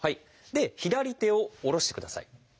で左手を下ろしてください。